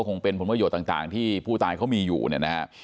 ก็คงเป็นผลประโยชน์ต่างที่ผู้ตายเขามีอยู่นะครับ